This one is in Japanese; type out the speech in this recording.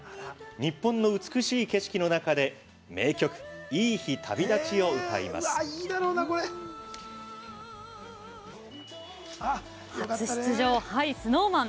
日本の美しい景色の中で名曲「いい日旅立ち」を歌います初出場ＳｎｏｗＭａｎ。